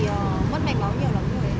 cây này nhé bạn bỏ ra ngoài